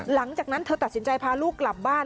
หลังจากนั้นเธอตัดสินใจพาลูกกลับบ้าน